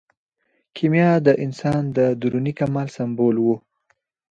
کیمیا د انسان د دروني کمال سمبول و.